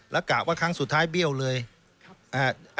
แล้วกะว่าครั้งสุดท้ายเบี้ยวเลย